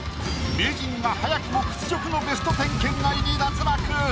名人が早くも屈辱のベスト１０圏外に脱落。